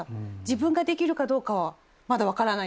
自分ができるかどうかはまだわからないですけど。